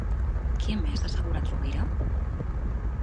Què més ha assegurat Rovira?